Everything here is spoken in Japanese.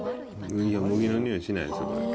小麦の匂いしないですよ、これ。